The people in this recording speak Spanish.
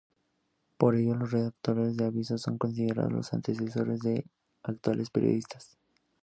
Por ello los redactores de avisos son considerados los antecesores de los actuales periodistas.